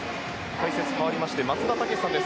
解説代わりまして松田丈志さんです。